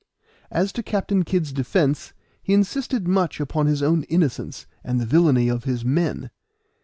As to Captain Kid's defense, he insisted much upon his own innocence, and the villainy of his men.